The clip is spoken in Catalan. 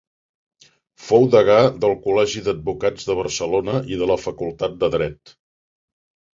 Fou degà del Col·legi d'Advocats de Barcelona i de la facultat de dret.